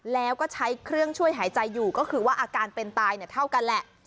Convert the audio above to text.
แล้วก็ใช้เครื่องช่วยหายใจอยู่ก็คือว่าอาการเป็นตายเนี่ยเท่ากันแหละ